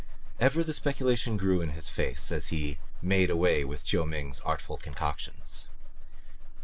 Ever the speculation grew in his face as he made away with Chiu Ming's artful concoctions.